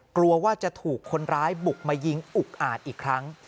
กลัวว่าจะถูกคนร้ายบุกมายิงอุกอาจอีกครั้ง